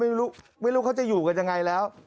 ไม่รู้ไม่รู้เขาจะอยู่กันยังไงแล้ว